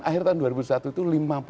akhir tahun dua ribu satu itu lima puluh lima